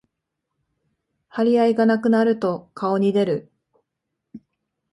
張り合いがなくなると顔に出る